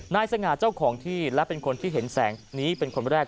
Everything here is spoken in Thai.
สง่าเจ้าของที่และเป็นคนที่เห็นแสงนี้เป็นคนแรก